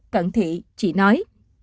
cần thị chị nói